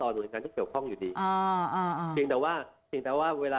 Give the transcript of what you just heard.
หมายถึงถ้าเป็นสส